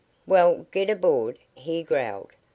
"Well, get aboard!" he growled.